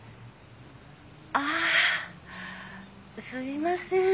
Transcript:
ああすいません。